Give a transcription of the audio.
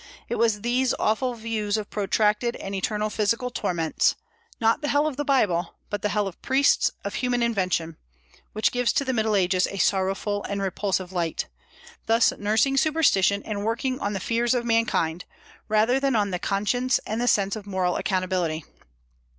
It was these awful views of protracted and eternal physical torments, not the hell of the Bible, but the hell of priests, of human invention, which gives to the Middle Ages a sorrowful and repulsive light, thus nursing superstition and working on the fears of mankind, rather than on the conscience and the sense of moral accountability.